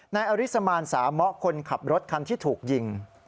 นายอริสมานสามะคนขับรถคันที่ถูกยิง